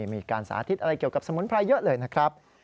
มีการสาธิตอะไรเกี่ยวกับสมุนไพรเยอะเลยนะครับ